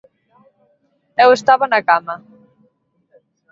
"Eu estaba na cama."